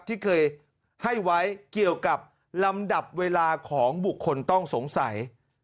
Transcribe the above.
ที่เคยให้ไว้เกี่ยวกับลำดับเวลาของบุคคลต้องสงสัย